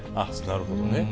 なるほどね。